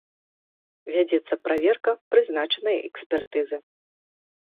Вядзецца праверка, прызначаныя экспертызы.